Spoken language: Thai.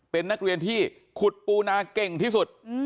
เป็นนักเรียนที่ขุดปูนาเก่งที่สุด